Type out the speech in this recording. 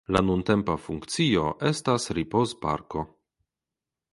La nuntempa funkcio estas ripozparko.